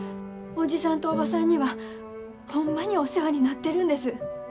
おじさんとおばさんにはホンマにお世話になってるんです。